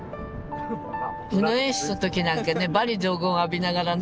宇野演出の時なんかね罵詈雑言浴びながらね。